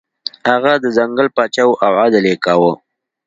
هغه د ځنګل پاچا و او عدل یې کاوه.